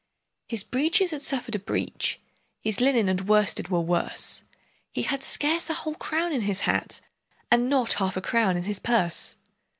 His breeches had suffered a breach, His linen and worsted were worse; He had scarce a whole crown in his hat, And not half a crown in his purse.